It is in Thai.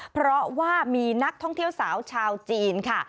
เพราะว่ามีนักท่องเที่ยวสาวชาวจีนค่ะ